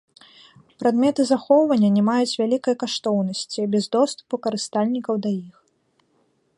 Прадметы захоўвання не маюць вялікай каштоўнасці без доступу карыстальнікаў да іх.